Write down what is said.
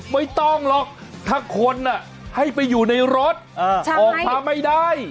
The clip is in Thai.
ไม่ต้องหรอกถ้าคนให้ไปอยู่ในรถออกมาไม่ได้